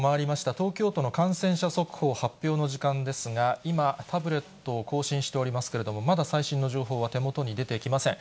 東京都の感染者速報発表の時間ですが、今、タブレットを更新しておりますけれども、まだ最新の情報は手元に出てきません。